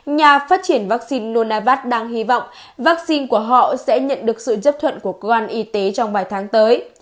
nhà phát triển vaccine nonavad đang hy vọng vaccine của họ sẽ nhận được sự chấp thuận của cơ quan y tế trong vài tháng tới